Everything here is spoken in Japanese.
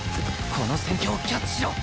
この戦況をキャッチしろ！